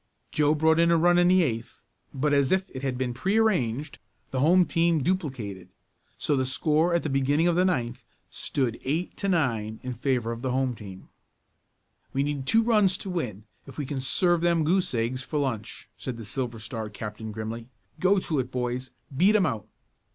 Joe brought in a run in the eighth, but as if it had been prearranged the home team duplicated so the score at the beginning of the ninth stood eight to nine in favor of the home team. "We need two runs to win, if we can serve them goose eggs for lunch," said the Silver Star captain grimly. "Go to it, boys; beat 'em out."